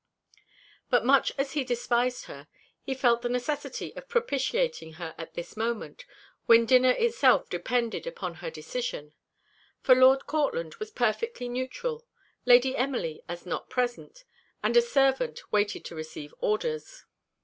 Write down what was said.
But much as he despised her, he felt the necessity of propitiating her at this moment, when dinner itself depended upon her decision; for Lord Courtland was perfectly neutral, Lady Emily as not present, and a servant waited to receive orders.